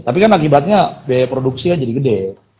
tapi kan akibatnya biaya produksi kan jadi gede